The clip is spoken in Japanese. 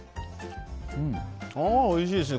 おいしいですね